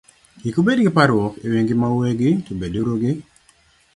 "Kik ubed gi parruok e wi ngimau uwegi, to beduru gi